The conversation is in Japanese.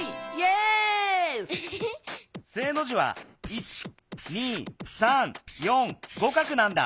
「正」の字は１２３４５画なんだ。